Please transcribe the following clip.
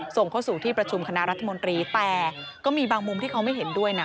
ส่งเข้าสู่ที่ประชุมคณะรัฐมนตรีแต่ก็มีบางมุมที่เขาไม่เห็นด้วยนะ